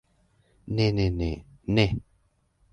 Ne ne ne. Ne!